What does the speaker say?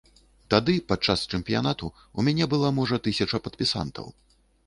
Тады, падчас чэмпіянату, у мяне была, можа, тысяча падпісантаў.